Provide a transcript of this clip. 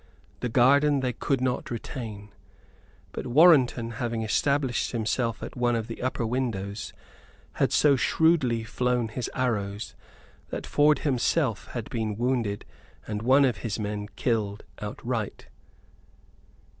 The garden they could not retain; but Warrenton, having established himself at one of the upper windows, had so shrewdly flown his arrows, that Ford himself had been wounded and one of his men killed outright.